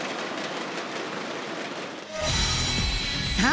さあ